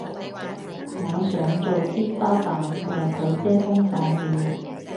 我想做天花板為佢哋遮風擋雨